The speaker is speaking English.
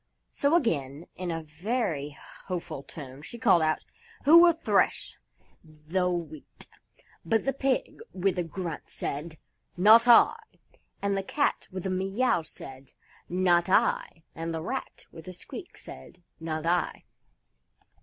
So, again, in a very hopeful tone, she called out, "Who will thresh the Wheat?" But the Pig, with a grunt, said, "Not I," and the Cat, with a meow, said, "Not I," and the Rat, with a squeak, said, "Not I."